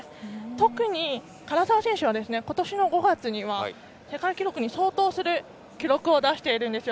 特に、唐澤選手は今年の５月には世界記録に相当する記録を出しているんですよ。